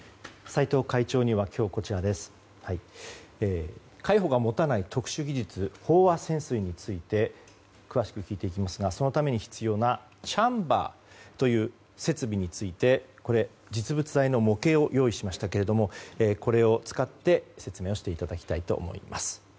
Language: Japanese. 斎藤会長には今日海保が持たない特殊技術飽和潜水について詳しく聞いていきますがそのために必要なチャンバーという設備について実物大の模型を用意しましたがこれを使って説明をしていただきたいと思います。